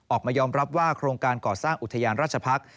ออกมายอมรับว่าโครงการก่อสร้างอุทยานราชพักษ์